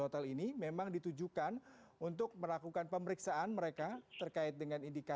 terima kasih juga dari arab saudi ya